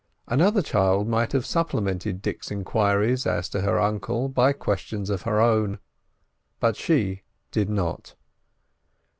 Another child might have supplemented Dick's enquiries as to her uncle by questions of her own, but she did not.